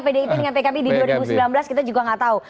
pdip dengan pkb di dua ribu sembilan belas kita juga nggak tahu